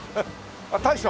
大将？